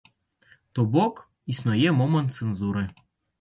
То бок існуе момант цэнзуры.